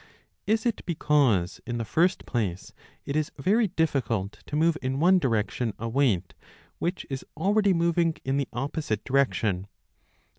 Is it because, in the first place, it is very difficult to move in one direction a weight which is already moving in the opposite direction